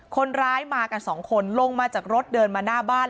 คนร้ายมากันสองคนลงมาจากรถเดินมาหน้าบ้าน